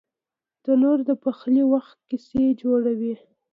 تنور د پخلي وخت کیسې جوړوي